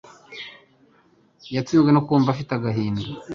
Yatsinzwe no kumva afite agahinda.